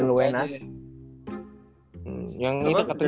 yang luar katanya satu m